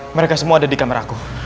mereka semua ada di kamerako